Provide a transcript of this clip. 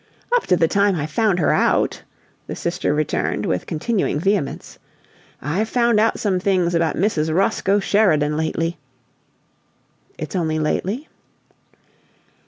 "Up to the time I found her out!" the sister returned, with continuing vehemence. "I've found out some things about Mrs. Roscoe Sheridan lately " "It's only lately?"